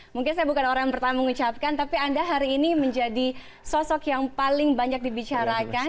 mungkin saya bukan orang yang pertama mengucapkan tapi anda hari ini menjadi sosok yang paling banyak dibicarakan